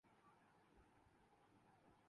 میں اپنے مقدمے کو چند مظاہر سے واضح کر رہا ہوں۔